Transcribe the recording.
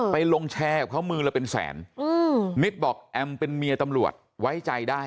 ไปลงแชร์กับเขามือละเป็นแสนนิดบอกแอมเป็นเมียตำรวจไว้ใจได้